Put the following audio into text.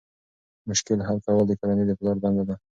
مشکل حل کول د کورنۍ د پلار دنده ده.